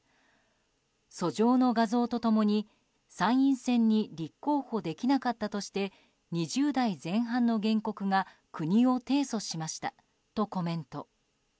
訴状の画像と共に、参院選に立候補できなかったとして２０代前半の原告が国を提訴しましたとコメント。